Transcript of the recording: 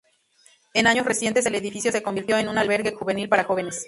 En años recientes el edificio se convirtió en un Albergue juvenil para jóvenes.